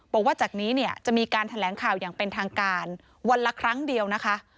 บอกว่าจากนี้เนี่ยจะมีการแถลงข่าวอย่างเป็นทางการวันละครั้งเดียวนะคะ